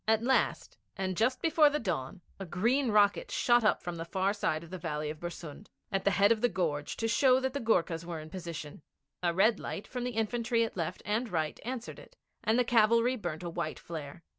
At last, and just before the dawn, a green rocket shot up from the far side of the valley of Bersund, at the head of the gorge, to show that the Goorkhas were in position. A red light from the infantry at left and right answered it, and the cavalry burnt a white flare.